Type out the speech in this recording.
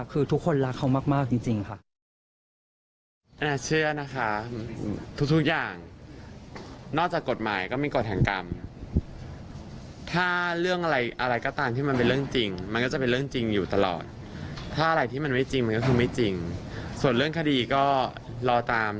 คือทุกคนรักเขามากจริงค่ะ